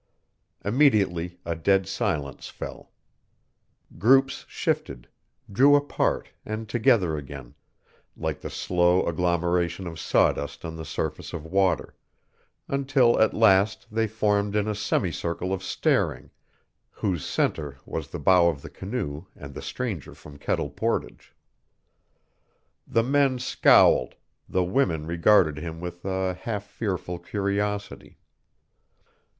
Immediately a dead silence fell. Groups shifted, drew apart, and together again, like the slow agglomeration of sawdust on the surface of water, until at last they formed in a semicircle of staring, whose centre was the bow of the canoe and the stranger from Kettle Portage. The men scowled, the women regarded him with a half fearful curiosity.